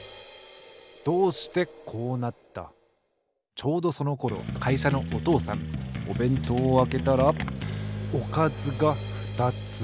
ちょうどそのころかいしゃのお父さんおべんとうをあけたらおかずがふたつ。